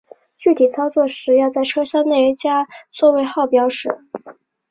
具体操作时要在车厢内加座位号标识。